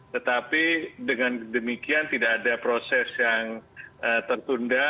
tetapi dengan demikian tidak ada proses yang tertunda